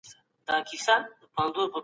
یو باطلعه انسان په خپل موقف کي تندي نه کوي.